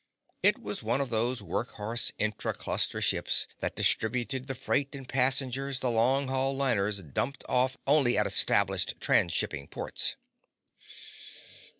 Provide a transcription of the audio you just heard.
It was one of those workhorse intra cluster ships that distributed the freight and passengers the long haul liners dumped off only at established transshipping ports.